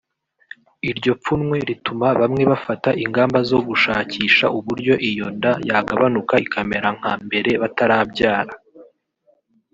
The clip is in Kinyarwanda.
Iryo pfunwe rituma bamwe bafata ingamba zo gushakisha uburyo iyo nda yagabanuka ikamera nka mbera batarabyara